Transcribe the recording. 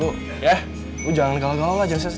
lo jangan galau galau lah jangan stres ya